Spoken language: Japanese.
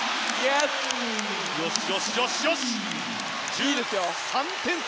１３点差！